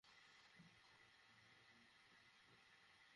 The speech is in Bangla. আমি এক মিনিটের মধ্যে ফিরছি, কেমন?